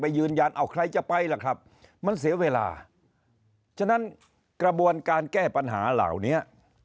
ยืนยันเอาใครจะไปล่ะครับมันเสียเวลาฉะนั้นกระบวนการแก้ปัญหาเหล่านี้